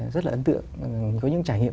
rất là ấn tượng có những trải nghiệm